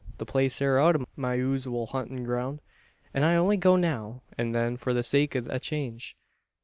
The place air out o' my usooal huntin' ground, an I only go now an then for the sake o' a change.